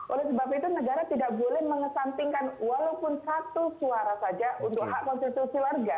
oleh sebab itu negara tidak boleh mengesampingkan walaupun satu suara saja untuk hak konstitusi warga